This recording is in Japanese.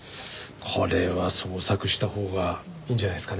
これは捜索したほうがいいんじゃないですかね。